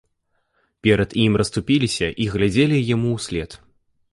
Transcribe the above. Перад ім расступіліся і глядзелі яму ўслед.